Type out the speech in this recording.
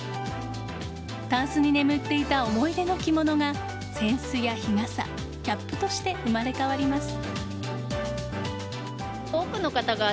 たんすに眠っていた思い出の着物が扇子や日傘キャップとして生まれ変わります。